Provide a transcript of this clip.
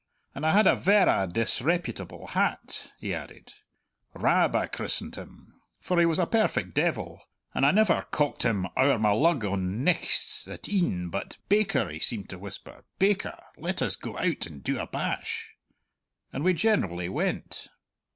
And I had a verra disreputable hat," he added "Rab I christened him, for he was a perfect devil and I never cocked him owre my lug on nichts at e'en but 'Baker!' he seemed to whisper, 'Baker! Let us go out and do a bash!' And we generally went."